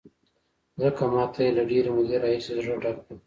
ځکه ما ته یې له ډېرې مودې راهیسې زړه ډک و.